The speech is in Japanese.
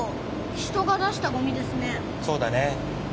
そうだね。